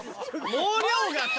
毛量がさ。